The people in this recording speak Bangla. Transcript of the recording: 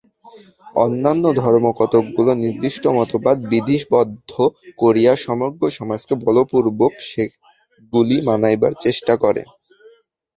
অন্যান্য ধর্ম কতকগুলি নির্দিষ্ট মতবাদ বিধিবদ্ধ করিয়া সমগ্র সমাজকে বলপূর্বক সেগুলি মানাইবার চেষ্টা করে।